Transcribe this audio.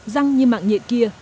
răng như mạng nhiện kia